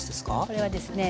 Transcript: これはですね